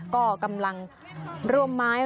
ก็กำลังร่วมไม้